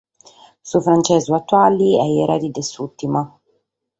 Su frantzesu atuale est erede de s’ùrtima.